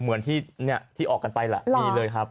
เหมือนที่ออกกันไปแหละมีเลยครับ